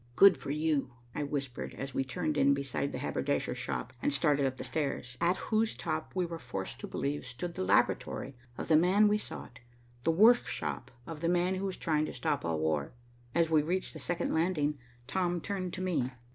"Good for you," I whispered, as we turned in beside the haberdasher's shop and started up the stairs, at whose top we were forced to believe stood the laboratory of the man we sought, the workshop of the man who was trying to stop all war. As we reached the second landing, Tom turned to me.